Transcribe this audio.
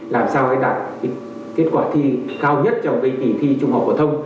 làm sao đạt kết quả thi cao nhất trong kỳ thi trung học của thông